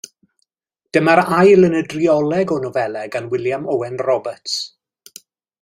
Dyma'r ail yn y drioleg o nofelau gan Wiliam Owen Roberts.